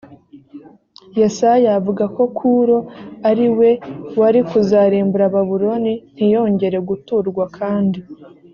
yesaya avuga ko kuro ari we wari kuzarimbura babuloni ntiyongere guturwa kandi